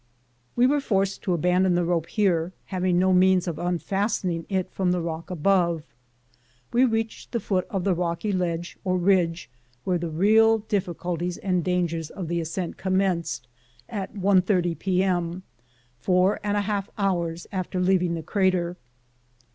We were forced to abandon the rope here, having no means of unfastening it from the rock above. We reached the foot of the rocky ledge or ridge, where the real difliculties and dangers of the ascent commenced, at 1.30 p.m., four and a half hours after leaving the crater.